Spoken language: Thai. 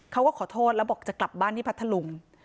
เขาก็ขอโทษแล้วบอกจะกลับบ้านที่พัทธลุง